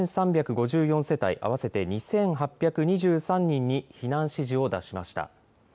世帯合わせて２８２３人に避難指示を出しました。